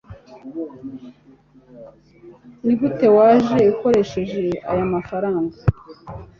nigute waje ukoresheje aya mafaranga